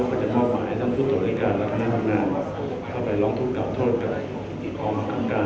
ก็จะมอบหมายให้ท่านผู้โดยริการและคุณผู้งานเข้าไปร้องทุกข์กล่าวโทษกับอีกความค้ำการ